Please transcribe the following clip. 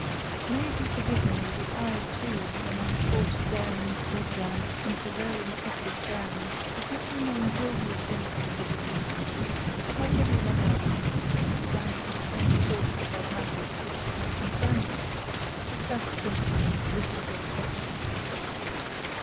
May it be forgiven me that I, too, when on a short daring sojourn on very infected ground, did not remain wholly exempt from the disease, but like every one else, began to entertain thoughts about matters which did not concern me the first symptom of political infection.